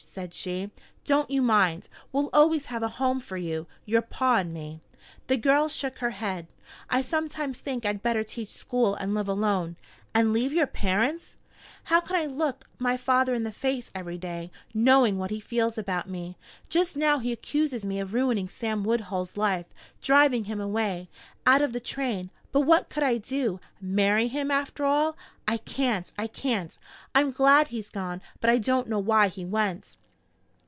said she. "Don't you mind. We'll always have a home for you, your paw and me." The girl shook her head. "I sometimes think I'd better teach school and live alone." "And leave your parents?" "How can I look my father in the face every day, knowing what he feels about me? Just now he accuses me of ruining Sam Woodhull's life driving him away, out of the train. But what could I do? Marry him, after all? I can't I can't! I'm glad he's gone, but I don't know why he went."